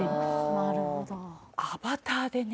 なるほどアバターでね